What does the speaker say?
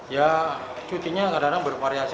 ya cutinya kadang kadang bervariasi